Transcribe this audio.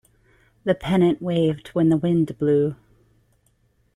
The pennant waved when the wind blew.